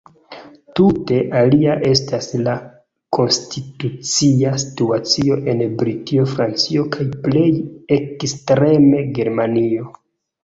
Tute alia estas la konstitucia situacio en Britio, Francio kaj plej ekstreme Germanio.